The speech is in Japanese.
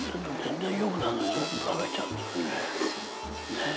ねえ？